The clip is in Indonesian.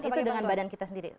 itu dengan badan kita sendiri